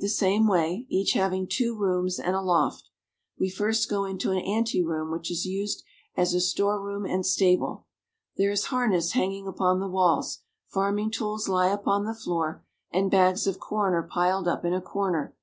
the same way, each having two rooms and a loft. We first go into an anteroom which is used as a storeroom and stable. There is harness hanging upon the walls, farming tools lie upon the floor, and bags of corn are piled up in a corner.